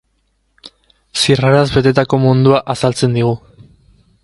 Zirraraz betetako mundua azaltzen digu.